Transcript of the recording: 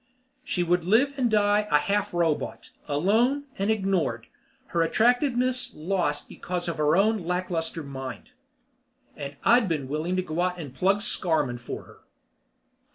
She would live and die a half robot, alone and ignored, her attractiveness lost because of her own lack luster mind. And I'd been willing to go out and plug Scarmann for her.